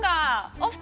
お二人！